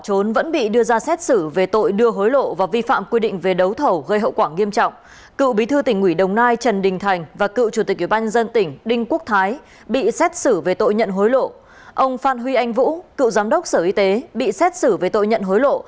ông phan huy anh vũ cựu giám đốc sở y tế bị xét xử về tội nhận hối lộ